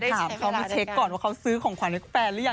แจ๊กครับกลับไปเช็คก่อนว่าเขาซื้อของขวัญของแฟนหรือยัง